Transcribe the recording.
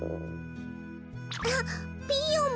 あっピーヨンも。